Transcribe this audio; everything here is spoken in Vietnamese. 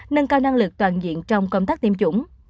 nâng cao năng lực toàn diện trong công tác tiêm chủng